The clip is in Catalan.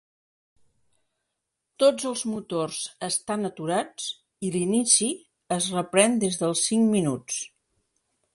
Tots els motors estan aturats i l'inici es reprèn des dels cinc minuts.